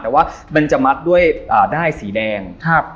แต่ว่ามันจะมัดด้วยด้ายสีแดง